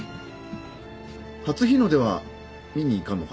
初日の出は見に行かんのか？